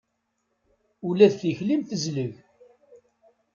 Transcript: Ula d tikli-m tezleg.